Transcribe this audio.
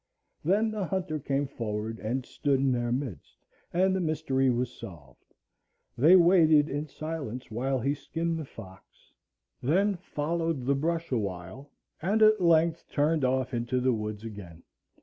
Then the hunter came forward and stood in their midst, and the mystery was solved. They waited in silence while he skinned the fox, then followed the brush a while, and at length turned off into the woods again.